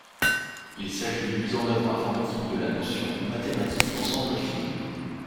Il s'agit d'une mise en œuvre informatique de la notion mathématique d'ensemble fini.